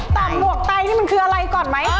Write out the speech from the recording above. ต่างหมวกไตนี่มันคืออะไรก่อนไหม